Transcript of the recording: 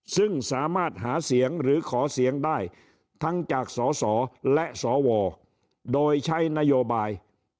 ซึ่งสามารถหาเสียงหรือขอเสียงได้ทั้งจากสสและสวโดยใช้นโยบาย